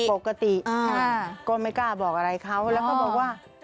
ปกติก็ไม่กล้าบอกอะไรเขาแล้วก็บอกว่า